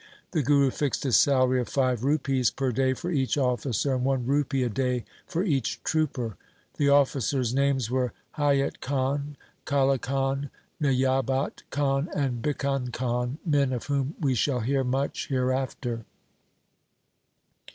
The Guru fixed a salary of five rupees per day for each officer and one rupee a day for each trooper. The officers' names were Haiyat Khan Kale Khan, Nijabat Khan, and Bhikan Khan, men of whom we shall hear much hereafter.